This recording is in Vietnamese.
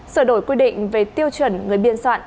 sửa đổi quy định về tiêu chuẩn người biên soạn